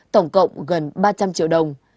tổng cộng gần ba trăm linh triệu đồng